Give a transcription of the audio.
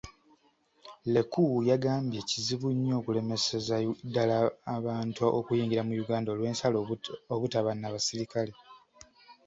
Leku, yagambye kizibu nnyo okulemeseza ddala abantu okuyingira mu Uganda olw'ensalo obutaba na basirikale.